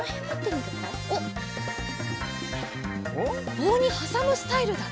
ぼうにはさむスタイルだな。